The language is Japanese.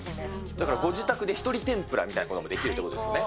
だからご自宅で１人天ぷらみたいなこともできるということですね。